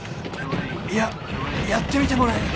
いやっやってみてもらえる？